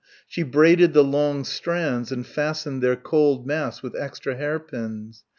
She braided the long strands and fastened their cold mass with extra hairpins.